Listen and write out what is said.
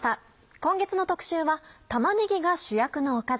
今月の特集は「玉ねぎが主役のおかず」。